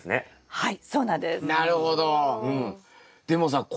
はい。